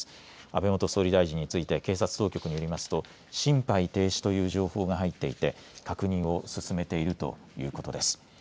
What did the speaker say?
安倍元総理大臣について警察当局によりますと心肺停止という情報が入っていて確認を進めているということです。